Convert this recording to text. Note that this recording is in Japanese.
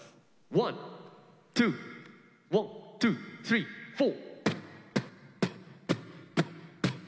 ワンツーワンツースリーフォー。